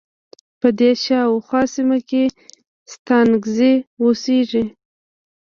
په دې شا او خواه سیمه کې ستانکزی اوسیږی.